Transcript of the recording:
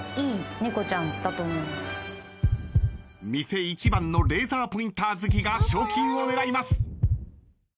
店一番のレーザーポインター好きが賞金を狙います。